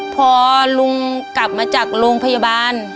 พอลุงกลับมาจากโรงพยาบาล